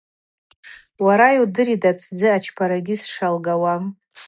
Уара йудыритӏ атдзы ачпарагьи сшалгауа.